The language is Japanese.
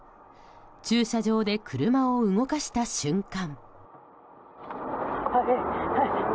駐車場で車を動かした瞬間。